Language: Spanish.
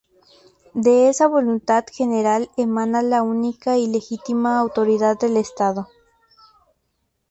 De esa voluntad general emana la única y legítima autoridad del Estado.